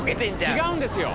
違うんですよ。